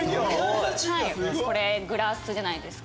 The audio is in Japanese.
これグラスじゃないですか。